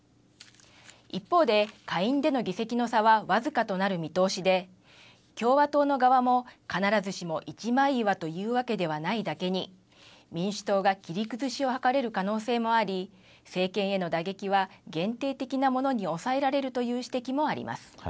一方で下院での議席の差は僅かとなる見通しで共和党の側も必ずしも一枚岩というわけではないだけに民主党が切り崩しを図れる可能性もあり政権への打撃は限定的なものに抑えられるという指摘もあります。